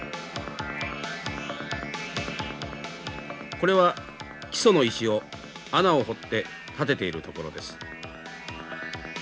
これは基礎の石を穴を掘って立てているところです。